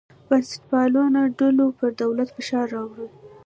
بنسټپالو ډلو پر دولت فشار راوړی.